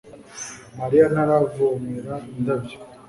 Mariya ntaravomera indabyo